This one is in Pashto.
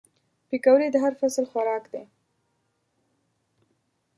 پکورې د هر فصل خوراک دي